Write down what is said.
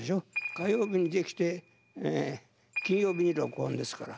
火曜日にできて金曜日に録音ですから。